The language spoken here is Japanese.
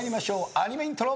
アニメイントロ。